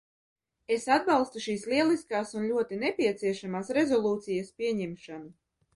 Es atbalstu šīs lieliskās un ļoti nepieciešamās rezolūcijas pieņemšanu.